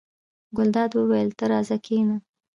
ګلداد وویل: ته راځه کېنه.